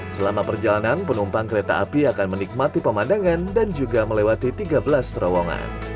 selama perjalanan penumpang kereta api akan menikmati pemandangan dan juga melewati tiga belas terowongan